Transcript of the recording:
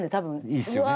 いいっすよね。